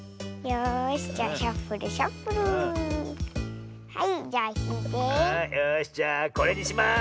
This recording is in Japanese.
よしじゃあこれにします。